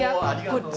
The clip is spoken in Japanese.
こっち。